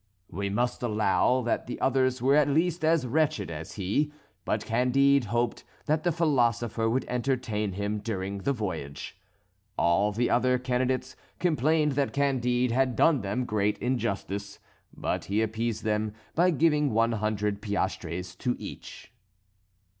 We must allow that the others were at least as wretched as he; but Candide hoped that the philosopher would entertain him during the voyage. All the other candidates complained that Candide had done them great injustice; but he appeased them by giving one hundred piastres to each.